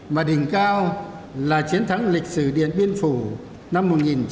mà đỉnh cao là chiến thắng lịch sử điện biên phủ năm một nghìn chín trăm năm mươi tám